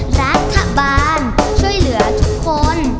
รัฐบาลช่วยเหลือทุกคน